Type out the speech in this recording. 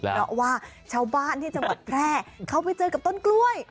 เพราะว่าชาวบ้านที่จังหวัดแพร่เขาไปเจอกับต้นกล้วย